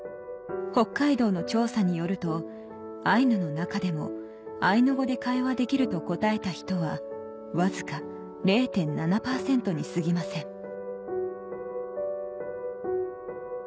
北海道の調査によるとアイヌの中でもアイヌ語で会話できると答えた人はわずか０．７％にすぎません